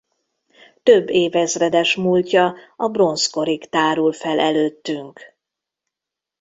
Több évezredes múltja a bronzkorig tárul fel előttünk.